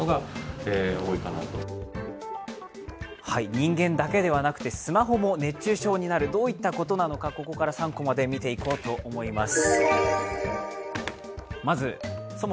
人間だけではなくてスマホも熱中症になる、どういったことなのか、ここから３コマで見ていこうと思います。